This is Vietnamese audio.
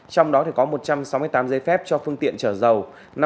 trong đó có một trăm sáu mươi tám giấy phép cho phương tiện trở dầu